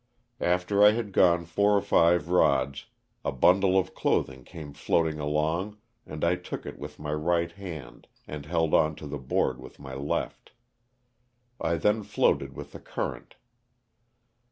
Aftor J had gone fourorfivo rodn a hundlo of olothing oamo floating along arjd 1 took it in with my right hand and hold on to tho hoard with my loft. I thon floatod with the ourront.